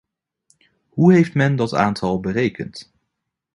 Hoe heeft men dat aantal berekend?